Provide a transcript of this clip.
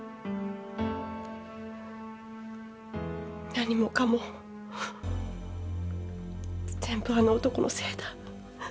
何もかも全部あの男のせいだ。